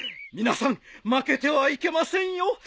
皆さん負けてはいけませんよ。